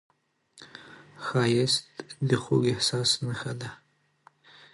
ښایست د خوږ احساس نښه ده